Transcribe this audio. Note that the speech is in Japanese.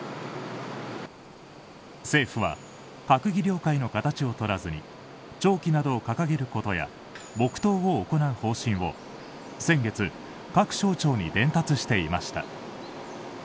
政府は、閣議了解の形を取らずに弔旗などを掲げることや黙祷を行う方針を先月各省庁に伝達していました。